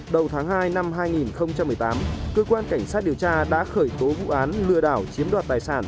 đầu tháng hai năm hai nghìn một mươi tám cơ quan cảnh sát điều tra đã khởi tố vụ án lừa đảo chiếm đoạt tài sản